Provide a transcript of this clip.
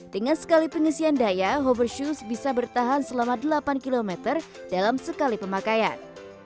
dengan sekali pengisian daya hover shoes bisa bertahan selama delapan km dalam sekali pemakaian